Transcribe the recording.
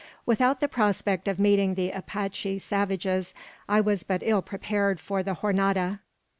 Without the prospect of meeting the Apache savages, I was but ill prepared for the Jornada.